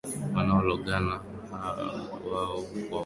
Wanalogana wao kwa wao na kuuza kwa siri hirizi mbaya kwa wachawi wa Kimasai